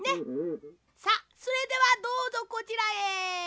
さっそれではどうぞこちらへ。